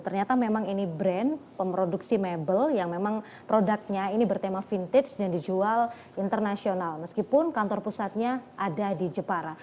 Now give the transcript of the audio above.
ternyata memang ini brand pemproduksi mebel yang memang produknya ini bertema vintage dan dijual internasional meskipun kantor pusatnya ada di jepara